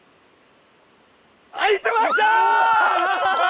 空いてました！